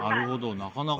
なかなか。